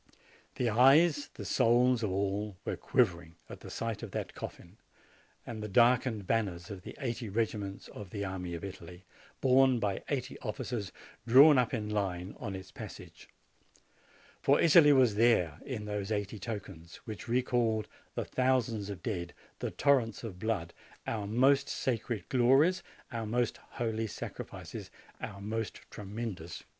The eyes, the souls, of all were quivering at the sight of that coffin and the darkened banners of the eighty regiments of the army of Italy, borne by eighty officers, drawn up in line on its passage : for Italy was there in those eighty tokens, which recalled the thousands of dead, the torrents of blood, our most sacred glories, our most holy sacrifices, our most tremendous griefs.